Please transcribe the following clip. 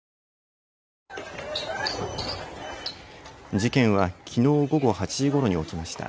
事件は、きのう午後８時ごろに起きました。